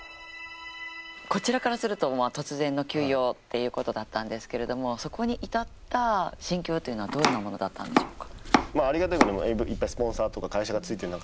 こちらからすると、突然の休養っていうことだったんですがそこに至った心境というのはどんなものだったのでしょうか？